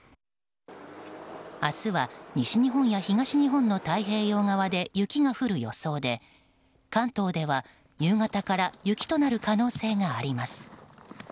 明日は西日本や東日本の太平洋側で雪が降る予想で関東では夕方から雪となる可能性があります。